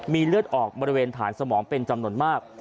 มีเลือดออกบริเวณฐานสมองเป็นจำนวนมาก